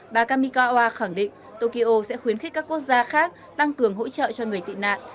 bà kamikawa khẳng định tokyo sẽ khuyến khích các quốc gia khác tăng cường hỗ trợ cho người tị nạn